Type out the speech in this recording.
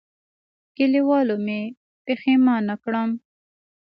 کلیوالو مې پښېمانه کړم.